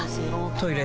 トイレ